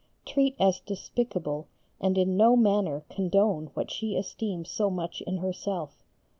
Treat as despicable and in no manner condone what she esteems so much in herself.